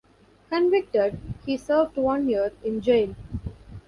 Convicted, he served one year in jail.